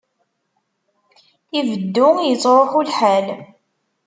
Ibeddu ittṛuḥ lḥal.